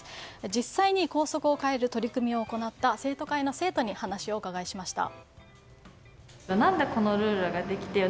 実際に校則を変える取り組みを行った生徒会の生徒に話をお伺いしました。